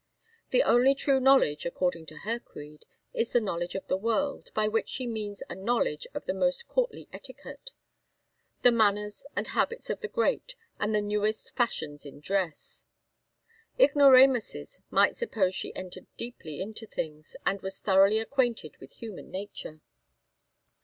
The only true knowledge, according to her creed, is the knowledge of the world, by which she means a knowledge of the most courtly etiquette, the manners and habits of the great, and the newest fashions in dress. Ignoramuses might suppose she entered deeply into things, and was thoroughly acquainted with human nature.